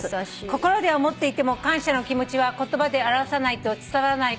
「心では思っていても感謝の気持ちは言葉で表さないと伝わらないこともあると思います」